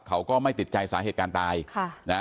เขาก็ไม่ติดใจสาเหตุการณ์ตายค่ะนะฮะ